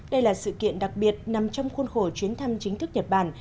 đây là sự kiện đặc biệt nằm trong khuôn khổ chuyến thăm chính thức nhật bản